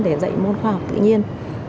để dạy môn khoa học tự nhiên